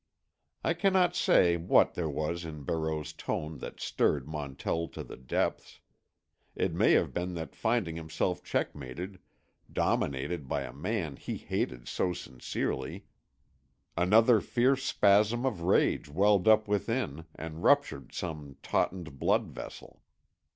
I cannot say what there was in Barreau's tone that stirred Montell to the depths. It may have been that finding himself checkmated, dominated by a man he hated so sincerely, another fierce spasm of rage welled up within and ruptured some tautened blood vessel.